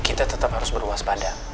kita tetap harus berwaspada